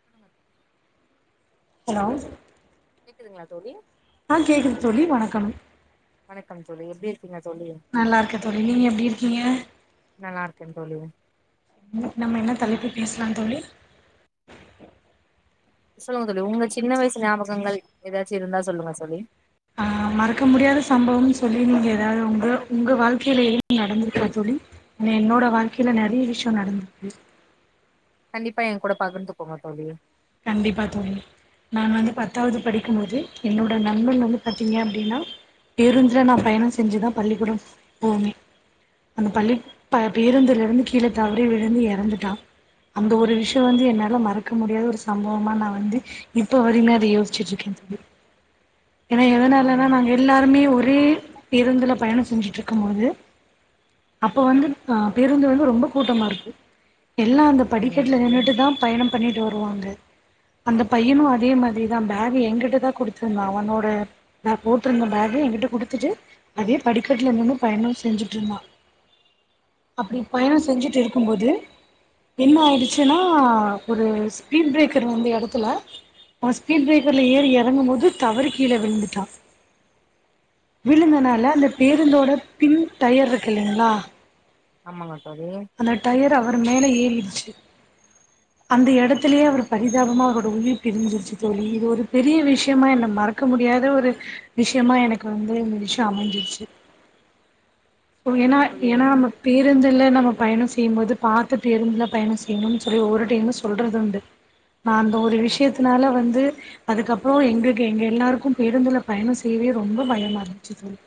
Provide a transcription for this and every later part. சொல்லுங்க ஹலோ கேக்குதுங்ளா தோழி ஆ கேக்குது தோழி வணக்கம் வணக்கம் தோழி எப்டி இருக்கீங்க தோழி நல்லா இருக்க தோழி நீங்க எப்டி இருக்கீங்க நல்லா இருக்கேன் தோழி இன்னைக்கு நம்ம என்ன தலைப்பு பேசலா தோழி சொல்லுங்க தோழி உங்க சின்ன வயசு ஞாபகங்கள் எதாச்சு இருந்தா சொல்லுங்க தோழி ஆ மறக்க முடியாத சம்பவம்ன் சொல்லி நீங்க எதாவ்து உங்கள உங்க வாழ்க்கையில எது நடந்துருக்கா தோழி ஏனா என்னோட வாழ்க்கையில நெறிய விஷயோ நடந்திருக்கு கண்டிப்பா என் கூட பகுர்ந்துக்கோங்க தோழி கண்டிப்பா தோழி நான் வந்து பத்தாவது படிக்கும்போது என்னோட நண்பன் வந்து பாத்தீங்க அப்டினா பேருந்துல நா பயணொ செஞ்சுதா பள்ளிக்கூடம் போவே அந்த பள்ளி ப பேருந்துல இருந்து கீழ தவறி விழுந்து எறந்துட்டா அந்த ஒரு விஷயோ வந்து என்னால மறக்க முடியாது ஒரு சம்பவமா நா வந்து இப்ப வரிமே அத யோஸ்ச்சிட்டுருக்கே தோழி ஏனா எதனாலனா ஆமா நாங்க எல்லாருமே ஒரே பேருந்துல பயணொ செஞ்சிட்டுருக்கும்மோது அப்போ வந்து அ பேருந்து வந்து ரொம்போ கூட்டமாருக்கு எல்லா அந்த சரிங்க படிக்கெட்ல தோழி நின்னுட்டு தா பயணம் பண்ணிட்டு வருவாங்க அந்த பையனு அதே மாத்ரிதா பேகு என்கிட்டதா குடுத்திருந்தா அ அவனோட பே போட்டுருந்த பேகு எங்கிட்ட குடுத்துட்டு அதே படிக்கட்ல நின்னு பயணம் செஞ்சுட்ருந்தா அப்படி பயணொ செஞ்சிட்டு இருக்கும்போது என்ன ஆயிடுச்சுன்னா ஒரு ஸ்பீட் ப்ரேக்கர் வந்த எடத்துல ஃபர்ஸ்ட் ஸ்பீட் பிரேக்கர்ல ஏறி எறங்கு போது தவறி கீழ விழுந்துட்டா விழுந்துனால அந்த பேருந்தோட பின் டயர் இருக்குல்லைங்ளா ஆமாங்க தோழி அந்த டயர் அவர் மேலே ஏரிருச்சு அந்த இடத்துலயே அவர் பரிதாபமா அவர் உயிர் பிரிஞ்சிருச்சு தோழி இது ஒரு பெரிய விஷயமா என்ன மறக் க்க முடியாத ஒரு விஷயமா எனக்கு வந்து இந்த விஷயோ அமஞ்சிருச்சு போ ஏன்னா ஏன்னா புரியுதுங்க நம்ம தோழி பேருந்துல நம்ம பயணோ செ தி போது பாத்து பேருந்துல பயண செய்யணுன் சொல்லி ஒவ்வொரு டைமு சொல்றது உண்டு நான் ஒரு ஆமாங்க விஷயத்தனால வந்து அதுக்கப்பற எங்க எங்க எல்லாருக்கு பேருந்துல பயண செய்யவே ரொம்ப பயமா இருந்துச்சு தோழி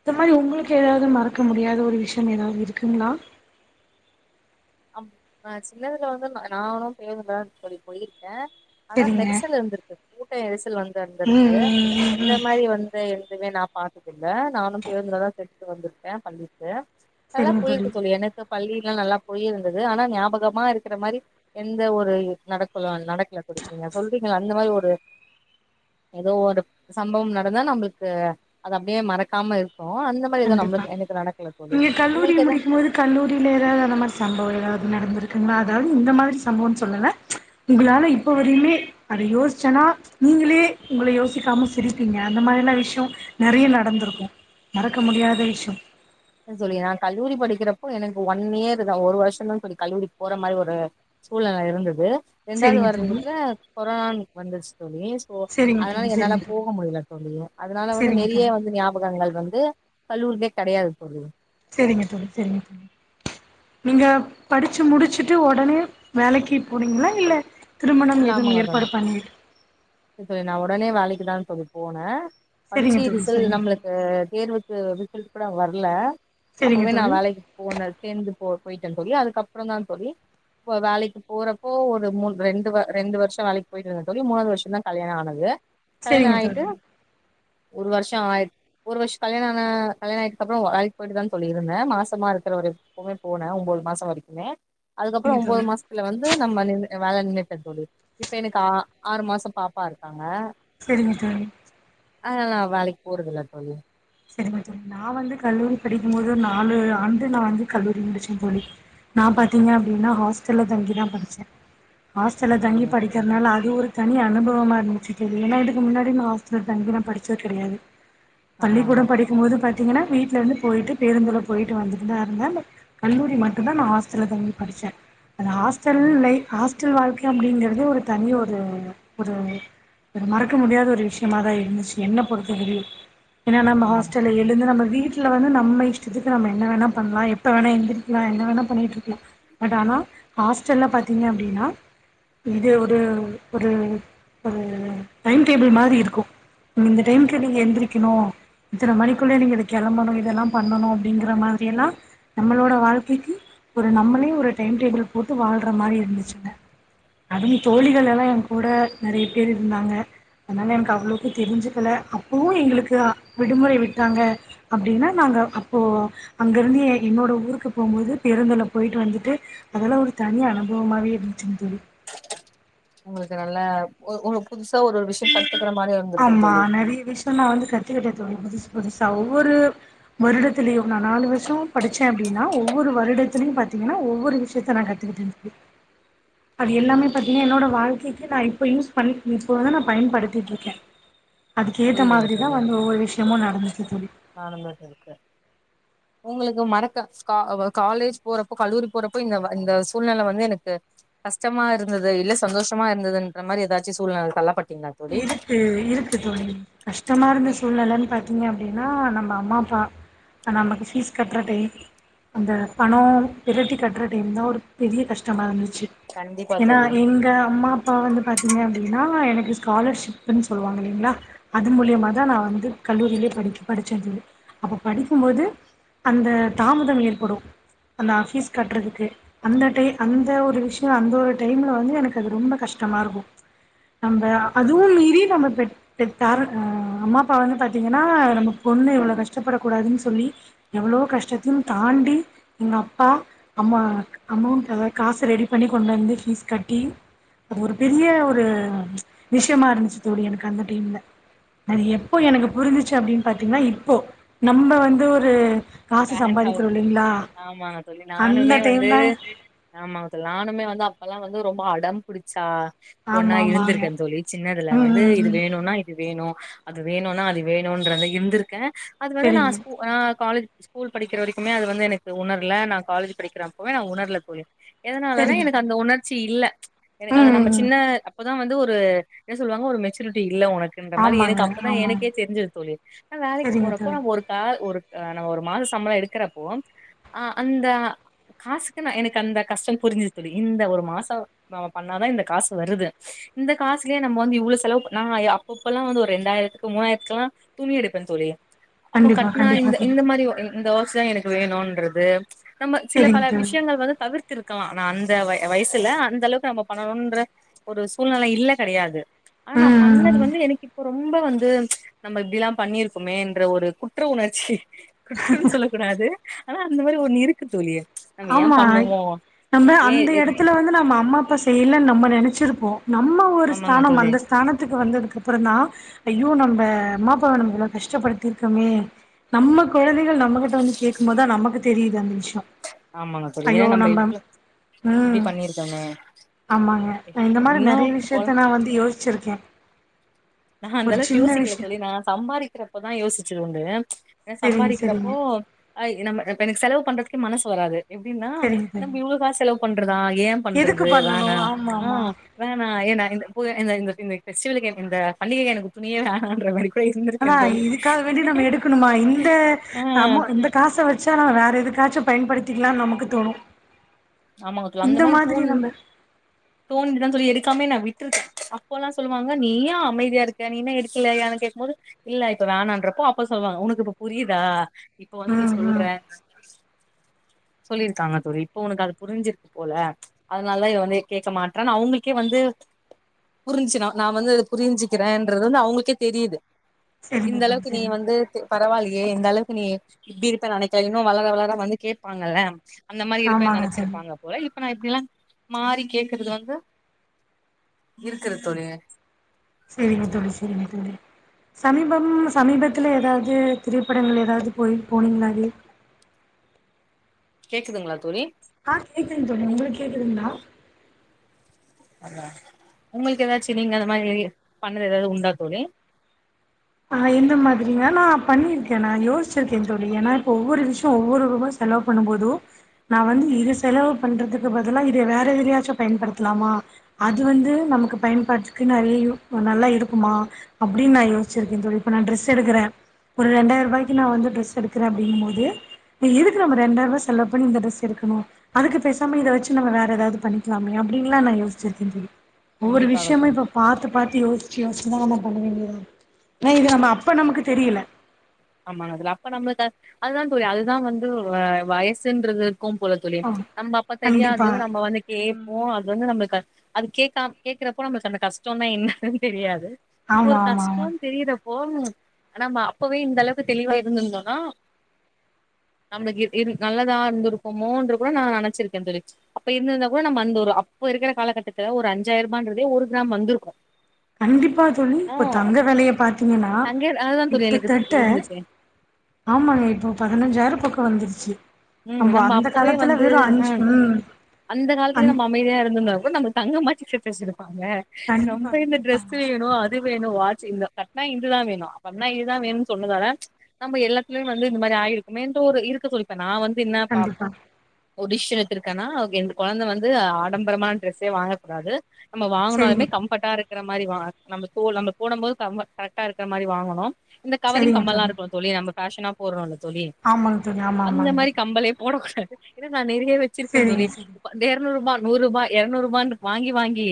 இந்த மாதிரி உங்களுக்கு எதாவது மறக்க முடியாத ஒரு விஷயம் எதாவது இருக்குங்ளா அ சின்னதுல வந்து நானும் பேருந்துலதா தோழி போயிருக்க ஆனா சரிங்க நெரிசல் இருந்திருக்கு கூட்ட நெரிசல் வந்து ம் இருந்திருக்கு ம் ம் இந்த ம் மாரி வந்து எதுமே நா பாத்துட்ருந்த நானு பேருந்துலதா போய்ட்டு வந்திருக்க பள்ளிக்கு நல்லா போய்ருக்கு தோழி எனக்கு பள்ளில்ல நல்லா போய் இருந்தது ஆனா ஞாபகமா இருக்குற மாரி எந்த ஒரு நடக்கல நடக்கல தோழி நீங்க சொல்றீங்களே அந்த மாரி ஒரு எதோ ஒரு சம்பவம் நடந்தா நம்பள்க்கு அது அப்டியே மறக்காம இருக்கு அந்த அந்த மாரி கண்டிப்பா நம்பளுக்கு எனக்கு நடக்கல தோழி உங்களுக்கு எது கல்லூரில எதாவது அந்த மாரி சம்பவம் எதாவது நடந்திருக்குங்ளா அதாவது இந்த மாரி சம்பவம்ன் சொல்லல உங்களால இப்ப வரையுமே அத யோசிச்சனா நீங்களே உங்கள யோசிக்காம சிரிப்பீங்க அந்த மாரில்லா விஷய நெறய நடந்துருக்கு மறக்க முடியாத விஷய இல்ல சொல்லி நா கல்லூரி படிக்கிறப்போ எனக்கு ஒன் இயர்தா ஒரு வருஷதா தோழி கல்லூரிக் போற மாரி ஒரு சூழ்நில இருந்துது ரெண்டாவது செரிங்க தோழி வாரத்துல கொரோனான்னு வந்துச்சு தோழி ஓ செரிங்க அதனால தோழி என்னால செரிங்க தோழி போக முடியல தோழி அதனால வந்து செரிங்க நெறய தோழி வந்து ஞாபகங்கள் வந்து கல்லூரிலயே கெடையாது தோழி சரிங்க தோழி சரிங்க தோழி நீங்க படிச்சு முடிச்சுட்டு உடனே வேலைக்கு போனீங்களா இல்ல திருமணம் எதுவு ஏற்பாடு பண்ணல இல்ல தோழி நா உடனே வேலைக்குதா தோழி போனே செரிங்க படிச்சு தோழி ரிசல்ட் செரிங்க நம்மளுக் தோழி தேர்வுக்கு ரிசல்ட் கூட வரல செரிங்க அப்பவே நா தோழி வேலைக்கு போன சேர்ந்து போ போய்ட்ட தோழி அதுக்கப்பறம்தா தோழி இப்ப வேலைக்கு போறப்போ ஒரு மூன் ரெண்டு வ ரெண்டு வருஷ வேலைக்கு போய்ட்டு இருந்த தோழி மூணாவது வருஷதா கல்யாண ஆனது கல்யாண செரிங்க ஆய்ட்டு தோழி ஒரு வருஷ ஆ ஒரு வருஷ கல்யாண ஆன கல்யாணஆயிட்டதுக் அப்ற வேலைக்கு போய்ட்டுதா இருந்த மாசமா இருக்குற வரைக்கு அப்பவே போன ஒன்பது மாச வரைக்குமே அதுக்கப்பற செரிங்க ஒன்பது தோழி மாசத்துல வந்து நம்ம வேலை நின் ன்னுட்ட தோழி இப்ப எனக்கு ஆ ஆறு மாச பாப்பா இருக்காங்க செரிங்க தோழி அதல்லா வேலைக்கு போறதில்ல தோழி செரிங்க தோழி நா வந்து கல்லூரி படிக்கு போது நாலு ஆண்டு நா வந்து கல்லூரி முடிச்ச தோழி நா பாத்தீங்க அப்டினா ஹாஸ்டல்ல தங்கிதா படிச்ச ஹாஸ்டல்ல தங்கி சரிங்க தோழி படிக்கிறனால அது ஒரு தனி அனுபவமா இருந்துச்சு தோழி ஏன்னா இதுக்கு முன்னாடி நா ஆஸ்டல் தங்கிலா படிச்சது கெடையாது ஆமாங்க பள்ளிக்கூட படிக்குபோது பாத்தீங்கனா வீட்ல இருந்து போய்ட்டு பேருந்துல போய்ட்டு வந்துட்டுந்தா இருந்த கல்லூரி மட்டு தா நா ஹாஸ்டல்ல தங்கி படிச்சே நா ஹாஸ்டல் ஆமா லைஃப் ஹா ஸ்டல் வாழ்க்கை அப்டிங்கறது ஒரு தனி ஒரு ஒரு ஒரு மறக்க முடியாத ஒரு விஷ்யமாதா இருந்துச்சு என்ன பொறுத்த வரைக்கு ஏன்னா நம்ம ஆமாங்க ஹாஸ்டல்ல தோழி எழுந்து நம்ம வீட் வீட்ல வந்து நம்ம இஷ்டத்துக்கு நம்ம என்ன வேணா பண்லா எப்ப வேணா எழுதிரிக்கலா என்ன வேணா பண்ணிட்டுருக்கலா பட் ஆனா ஹாஸ்டல்ல பாத்தீங்க அப்டின்னா இது ஒரு ஒரு ஒரு டைம்டேபிள் மாரி இருக்கு இந்த டைம்கு நீங்க எந்திரிக்கணு இத்தனைமணிக்குள்ளயே நீங்க இத கெளம்பணு இதெல்லா பண்ணணு அப்டிங்கிற மாதிரியெல்லா நம்மளோடய வாழ்க்கைக்கி ஒரு நம்மளே ஒரு டைம் டேபிள் போட்டு வாழ்ற மாரி இருந்துச்சுங்க அதுவு தோழிகள்லலா எங்கூட நறைய பேர் இருந்தாங்க அதனால எனக்கு அவ்ளவுக்கு தெரிஞ்சுக்கல அப்பவு எங்களுக்கு விடுமுறை விட்டாங்க அப்டின்னா நாங்க அப்போ அங்கருந்து எ என்னோட ஊருக்கு போகும்போது பேருந்தல போயிட்டு வந்துட்டு அதெல்லா ஒரு தனி அனுபவமாவே இருந்துச்சிங்க தோழி உங்களுக்கு நல்ல ஒரு ஒரு புதுசா ஒருவோரு விஷாயோ கத்துக்கிற மாரி ஒரு ஆமா நறைய விஷ்யோ நா வந்து கத்துக்கிட்ட தோழி புதுசு புதுசா ஒவ்வொரு வருடத்திலயு நா நாலு வருஷோ படிச்சே அப்டின்னா ஒவ்வொரு வருடத்துலையு பாத் தீங்கன்னா ஒவ்வொரு விஷயத்த நா கத்துக்கிட்ட தோழி அது எல்லாமே பாத்திங்கன்னா என்னோட வாழ்க்கைக்கி நா இப்போ யூஸ் பண்ணி இப்போ தா நா பயன்டுத்திட்டுருக்கே அதுக்கு ஏத்த புரியுதுங்க மாதிரிதா வந்து ஒவ்வொரு விஷயமும் நடந்துச்சு தோழி நாடந்துட்டுருக்கு உங்களுக்கு மறக்க கா அவ் காலேஜ் போறப்போ கல்லூரி போறப்போ இந்த இந்த சூழ்நெல வந்து எனக்கு கஷ்டமாருந்தது இல்ல சந்தோஷமா இருந்ததுன்ற மாரி ஏதாச்சு சூழ்நெல தள்ளப்பட்டீங்களா தோழி இருக்கு இருக்கு தோழி கஷ்டமாருந்த சூழ்நெலன்னு பாத்தீங்க அப்டின்னா நம் அ அம்மா அப்பா அ நமக்கு ஃபீஸ் கட்றதே அந்த பணோம் பிரட்டி கட்ற டைம் தா ஒரு பெரிய கஷ்டமாருந்துச்சு கண்டிப்பா ஏன்னா தோழி எங்க அம்மா அப்பா வந்து பாத்தீங்க அப்டின்னா எனக்கு காலர்ஷிப்ன்னு சொல்லுவாங்க இல்லைங்ளா அது மூலியமா தா நா வந்து கல்லூரியிலே படிக் படிச்சே தோழி அப்ப படிக்கும்போது அந்த தாமதோ ஏற்படு அந்த ஃபீஸ் கட்டுறதுக்கு அந்த டை அந்த ஒரு விஷ்யோ அந்த ஒரு டைம்ல வந்து எனக்கு அது ரொம்ப கஷ்டமாருக்கு நம்ம அதுவு மீறி நம்ம பெற் பே பேரன்ட் அ அம்மா அப்பா வந்து பாத்தீங்கன்னா நம்ம பொண்ணு இவ்ளோ கஷ்டப்பட கூடாதுன்னு சொல்லி எவ்ளோ கஷ்டத்தையு தாண்டி எங்க அப்பா அம்ம அமௌண்ட் அதா காசு ரெடி பண்ணி கொண்டு வந்து ஃபீஸ் கட்டி அது ஒரு பெரிய ஒரு விஷயமா இருந்துச்சு தோழி எனக்கு அந்த டைம்ல அது எப்போ எனக்கு புரிஞ்சிச்சு அப்டின்னு பாத்தீங்கன்னா இப்போ நம்ம வந்து ஒரு காசு சம்பாதிக்கிறோ இல்லைங்ளா ஆமாங்க அந்த டைம்ல ஆமா தோழி நானுமே வந்து அப்பெல்லா வந்து ரொம்ப அடோ புடிச்சே பொண்ணா ஆமா ஆமாங்க இருந்திருக்கன் தோழி சின்னதுல ம் வந்து ம் இது ம் வேணுன்னா இது வேணு அது வேணுன்னா அது வேணுன்றத இருந்துருக்கே அது வந்து நா சரிங்க ஸ்கூ அ காலேஜ் ஸ்கூல் படிக்கிற வரைக்குமே அது வந்து எனக்கு உணர்ல நா காலேஜ் படிக்கிறப்போவே நா உணர்ல தோழி எதுனாலனா சரிங்க எனக்கு தோழி. அந்த உணர்ச்சி இல்ல எனக்கு ம் அது நம்ம ம் ம் சின்ன அப்பதா வந்து ஒரு என்ன சொல்லுவாங்க ஒரு மெச்சூரிட்டி இல்ல ஒனக் இந்த மாரி ஆமாங்க எனக்கு அப்பதா ஆமாங்க எனக்கே தெரிஞ்சது தோழி வேலைக்கு சரிங்க போறப்போ தோழி ஒரு கால் ஒரு அ நம்ம ஒரு மாச சம்பளோ எடுக்கறப்போ காசுக்குன்னா எனக்கு அந்த கஷ்டம் புரிஞ்சது தோழி இந்த ஒரு மாசோ ந பண்ணாதா இந்த காசு வருது இந்த காசுலயே நம்ம வந்து இ்வ்ளோ செலவு நா அப்ப அப்பலா வந்து ஒரு ரெண்டாயிரத்துக்கு மூணாயிரத்துக்குல்லா துணி எடுப்ப தோழி அப்ப கண்டிப்பா கட்னா கண்டிப்பா இந்த தோழி இந்த மாரி ஒ இ இந்த ஒர்க்ஸ்தா எனக்கு வேணுன்றது நம்ம சில சரிங்க பல தோழி விஷயங்கள் வந்து தவிர் துருக்கலா அனா அந்த வயசுல அந்த அளவுக்கு நம்ம பண்ணணும்ன்ற ஒரு சூழ்நிலை இல்ல கெடையாது ஆனா நா ம் ம் பண்ணது ம். வந்து எனக்கு இப்போ ரொம்ப வந்து நம்ம இப்டியெல்லா பண்ணிருக்கோமே என்ற ஒரு குற்ற உணர்ச்சி குற்றன்னு சொல்ல கூடாது ஆனா அந்த மாரி ஒண்ணு இருக்கு தோழி நம்ம ஏ ஆமா பண்ணுவோ நம்ம ஏ அந்த எடத்துல வந்து நம்ம அம்மா அப்பா சொ செய்யல நம்ம நெனைச்சிருப்போ நம்ம ஒரு ஆமாங்க ஸ்தானம் தோழி அந்த ஸ் தானத்துக்கு வந்ததுக்கு அப்பறந்தா ஐயோ நம்ம அம்மாப்பாவ நம்ம இவளவு கஷ்டப்படுத்திருக்கமே நம்ம கொழந்தைகள் நம்மகிட்ட வந்து கேக்கும் போதுதா நமக்கு தெரியுது அந்த விஷ்யோ ஆமாங்க தோழி ஏன்னா நம்ம இவ்ளவு இப்டி ம் பண்ணிருக்கமே ஆமாங்க இந்த மாரி நெறைய விஷயத்த நா வந்து யோசிச்சிருக்கே நா அந்த அளவுக்கு யோசிக்கல விஷயம் தோழி நா சம்பாரிக்கறப்பதா யோசிச்சது உண்டு ஏன்னா சரிங்க சரிங்க சம்பாதிக்கிறப்போ ஆ நம்ம இப்ப எனக்கு செலவு பண்றதுக்கே மனசு வராது எப்டின்னா சரிங்க நம்ம தோழி இவ்ளோ காசு செலவு பண்றதா ஏன் எதுக்கு பண்றது வோனா பண்ணணும் ஆமா ஆமா வேணா ஏன்னா இந்த பு இந்த இந்த இந்த பெஸ்டிவலுக்கு இந்த பண்டிகைக்கு எனக்கு துணியே வேனான்ற மாரி கூட இருந்திருக்கே ஆனா தோழி இதுக்காக வேண்டி நம்ம எடுக்குணுமா இந்த ஆ அமௌ இந்த காச வெச்சா நாம்ம வேற எதுக்காச்சு பயன்படுத்திக்கலானு நமக்கு தோணு இந்த மாதிரி நம்ப தோண்டிதான் சொல்லி எடுக்காமே என்ன விட்டுருக் அப்போலா சொல்லுவாங்க நீயே அமைதியா இருக்க நீ என்ன எடுக்கலையானு கேக்கும் போது இல்ல இப்ப வேனான்றப்போ அப்ப சொல்லுவாங்க உனக்கு இப்ப புரியுதா இப்ப வந்து நீ ம் சொல்ற ம் சொல்லிருக்காங்க தோழி இப்ப உனக்கு அது புரிஞ்சிருக்கு போல அதனாலதா இவ வந்து கேட்க மாட்ரான்னு அவங்களுக்கே வந்து புரிஞ்சுச்சுன்னா நான் வந்து அதது புரிஞ்சுக்கிறேன்றது வந்து அவங்களுக்கே தெரியுது சரிங்க இந்த தோழி அளவுக்கு நீ சரிங்க வந்து பரவாலயே இந்தளவுக்கு நீ இப்டி இருப்ப நெனைக்கல இன்னு வளர வளர வந்து கேப்பாங்கல்ல அந்த மாரி தோழி இருப்பேன் ஆமாங்க நெனச்சிரு தோழி முன்ன போல இப்ப நா இப்டில்லா மாறி கேக்குறது வந்து இருக்குற தோழி சேரிங்க தோழி சேரிங்க தோழி சமீபம் சமீபத்துல ஏதாவது திரைப்படங்கள் ஏதாவது போய் போனிங்களா லீ கேக்குதுங்ளா தோழி ஆ கேக்குதுங் தோழி உங்களுக்கு கேக்குதுங்ளா உங்களுக்கு ஏதாச்சு நீங்க அந்த மாரி பண்ணது ஏதாவது உண்டா தோழி ஆ இந்த மாதிரில்லா நா பண்ணிருக்கே நா யோச்சிருக்க தோழி ஏனா இப்ப ஒவ்வொரு விஷயோ ஒவ்வொரு ரூபா செ செலவு பண்ணும்போது நான் வந்து இது செலவு பண்றதுக்கு பதிலா இத வேற எதுலயாச்சு பயன்படுத்தலாமா அது வந்து நமக்கு பயன்பாட்டுக்கு நிறையு நல்லா இருக்குமா அப்டின்னு நா யோஸ் சிருக்க தோழி இப்ப நா டிரெஸ் எடுக்குற ஒரு ரெண்டாயிர ரூபாய்க்கு நான் வந்து டிரெஸ் எடுக்கற அப்டிங்கும்போது எதுக்கு நம்ம ரெண்டாயிர ரூபா செல்ல பண்ணி இந்த டிரெஸ் எடுக்கணு அதுக்கு பேசாம இத வெச்சு நாம வேற எதாவது பண்ணிக்கலாம்லயா அப்டின்லா நான் யோசிச்சிருக்கேன் தோழி ஒவ்வொரு கண்டிப்பாக விஷயமு தோழி இப்ப பாத்து பா்த்து யோசிச்சு யோசிச்சுதா நம்ம பண்ண வேண்டியதா இருக் ந இது நம்ம அப்ப நமக்கு தெரியல ஆமா அதுல அப்ப நம்மளுக்கு அ அதுதா தோழி அதுதா வந்து வயசுன்ற இருக்கு போல தோழி ஆமா நம்ம அப்ப தெரியாது கண்டிப்பா நம்ம வந்து கேட்போ அது வந்து நம்மளுக்கு அது கேக்க கேக்குறப்போ நம்மளுக் அந்த கஷ்டோனா என்னன்னு தெரியாது இப்ப ஆமா ஒரு ஆமா ஆமா கஷ்டோன் தெரியிற அ ப்போ ஆனா அப்பவே இந்த அளவுக்கு தெளிவா இருந்திருந்தோனா நம்மளுக்கு நல்லதா இருந்திருக்கோமோன்ற கூட நா நனச்சிருக்க தோழி அப்ப இருந்திருந்தா கூட நம்ம அந்த ஒரு அப்ப இருக்கிற காலகட்டத்துல ஒரு அஞ்சாயிர ரூபான்றதே ஒரு கிராம் வந்திருக்கு கண்டிப்பா தோழி ஆ இப்போ தங்க வெலைய பாத்தீங்கனா தங்க அதுதா தோழி எனக்கு கிட்டத்தட்ட இருந்துச்சு ஆமாங்க இப்போ பதினஞ்சாயிரம் பக்கம் வந்துருச்சு ம் நம்ப நம்ம அந்த அப்பவே காலத்துல வந்து வெறு ஆ அஞ்சு ம் அந்த காலத்துல அஞ் நம்ம அமைதியா இருந்திருந்தா கூட நம்ம தங்க மாட்சு சேத்து வச்சிருப்பாங்க கண்டிப்பா நம்ம இந்த டிரெஸ் கண்டிப்பாங்க வேணு அது இது வேணு வாட்ச் இந்த கட்னா இதுதா வேணு கட்னா இதுதா வேணுன் சொன்னதால நம்ம எல்லாத்துலயு வந்து இந்த மாரி ஆயிருக்குமேன்ற ஒரு இருக்க சொல்லிப்ப நா வந்து என்ன கண்டிப்பா ஒரு டிஷன் எத்திருக்கேன்னா எ கொழந்த வந்து ஆடம்பரமான ட்ரெஸ்ஸே வாங்க கூடாது நம்ம செரிங்க வாங்குனாலுமே கம்ஃபர்டாக இருக்க மாரி வா நம்மோ நம்ம போடம் போது கம் கரக்டாக இருகற மாரி வாங்கணு இந்த கவரிங் செரிங்க கம்மல்லா இருக்கு தோழி நம்ம ஃபேஷனா போட்றோல்ல தோழி ஆமாங் தோழி ஆமா ஆமாங்க கம்மலே போடக்கூடாது இன்னு நா நெறைய வச்சிருக்க செரிங்க தோழி செரிங்க இருநூறு ரூபா நூறு ரூபா இருநூறு ரூபான்னு வாங்கி வாங்கி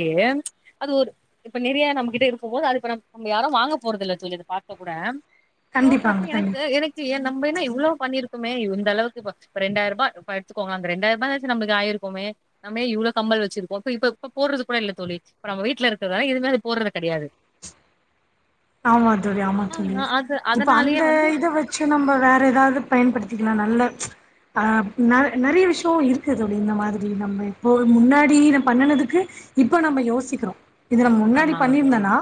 அது ஒரு இப்ப நெறைய நம்ம கிட்ட இருக்கும் போது அது இப்ப ந நம்ம யாரு வாங்க போறதில்ல தோழி அத பாத்து கூட கண்டிப்பாங்க சோக்குறப்ப எனக்கு கண்டிப்பா எனக்கு ஏ நம்ம என்ன இவ்ளோ பண்ணிருக்குமே இந்த அளவுக்கு இப்ப ரெண்டாயிர ரூபா எடுத்துக்கோங்க அந்த ரெண்டாயிர ரூபாச்சு நம்மக்கு ஆயிருக்கோமே நம்மே இவ்ளோ கம்மல் வச்சிருக்கோ இப்ப இப்ப இப்ப போறது கூட இல்ல தோழி இப்ப நம்ப வீட்ல இருக்கறனால எதுவுமே அது போர்றது கெடையாது ஆமா தோழி ஆமா தோழி ஆ அது இப்ப அதனாலயே அந்த வந்து இத வச் சு நம்ம வேற ஏதாவது பயன்படுத்திக்கலா நல்ல அ ந நறைய விஷயோ இருக்கு தோழி இந்த மாதிரி நம்ம இப்போ முன்னாடி நா பண்ணனதுக்கு இப்ப நம்ம யோசிக்கிறோ இது நம்ம முன்னாடி ஆமாங்க தோழி பண்ணியிருந்தனா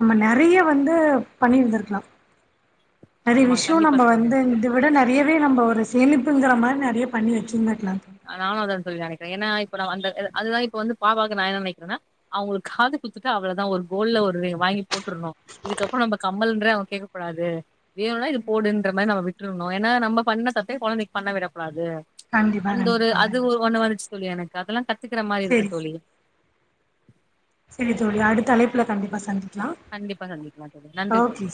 நம்ம நறைய வந்து பண்ணியிருந்திருக்லா நறைய ஆமா விஷயோ கண்டிப்பா நம்ம தோழி வந்து இத விட நறையவே நம்ம ஒரு சேமிப்புங்கிற மாரி நறைய பண்ணி வச்சிருந்துக்லா ஆ நானு அதா தோழி நெனைக்கற ஏன்னா இப்ப நா அந்த அது தா இப்ப வந்து பாபாக்கு நா என்ன நெனைக்கிறன்னா அவுங்களுக்கு காது குத்துட்ட அவ்ளோதா ஒரு கோல்ல ஒரு வாங்கி போட்டுருணு இதுக்கப்றோ நம்ம கம்மல்ன்றே அவன் கேட்க கூடாது வேணுனா இது போடுன்ற மாரி நம்ம விட்டுர்ணு ஏன்னா நம்ம பண்ண தப்பே கொழந்தைக்கு பண்ண விட கூடாது கண்டிப்பா அந்த ஒரு கண்டிப்பா அது ஒரு கண்டிப்பா ஒண்ணு வந்துச்சு தோழி எனக்கு அதெல்லா கத்துக்கிற மாரி இருக்கு செரி செரி தோழி செரி தோழி அடுத்த அழைப்புல கண்டிப்பா சந்தி கண்டிப்பா கண்டிப்பா தோழி நன்றி தோழி